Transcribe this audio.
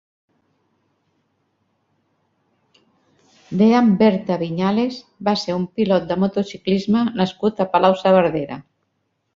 Dean Berta Viñales va ser un pilot de motociclisme nascut a Palau-saverdera.